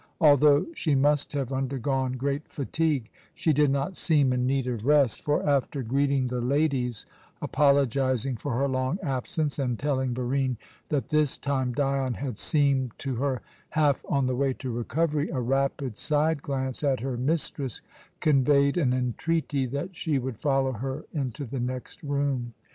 Although she must have undergone great fatigue, she did not seem in need of rest; for, after greeting the ladies, apologizing for her long absence, and telling Barine that this time Dion had seemed to her half on the way to recovery, a rapid side glance at her mistress conveyed an entreaty that she would follow her into the next room.